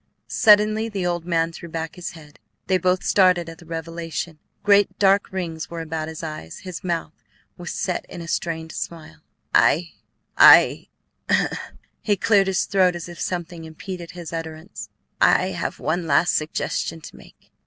Suddenly the old man threw back his head. They both started at the revelation: great dark rings were about his eyes; his mouth was set in a strained smile. "I I," he cleared his throat as if something impeded his utterance, "I have one last suggestion to make.